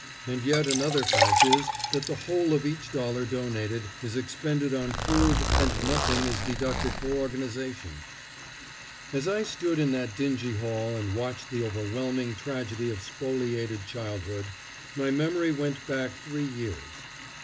And yet another fact is that the whole of each dollar donated is expended on food and nothing is deducted for organisation. As I stood in that dingy hall and watched the overwhelming tragedy of spoliated childhood, my memory went back three years.